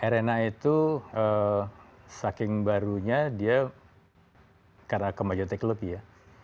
arena itu saking barunya dia karena kemajuan teknologi ya